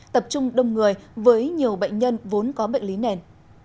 tập trung đông người với nhiều bệnh nhân vốn có bệnh lý nền